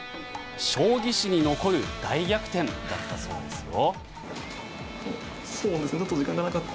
将棋史に残る大逆転だったそうですよ。